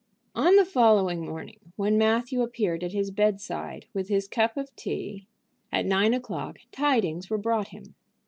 On the following morning, when Matthew appeared at his bedside with his cup of tea at nine o'clock, tidings were brought him.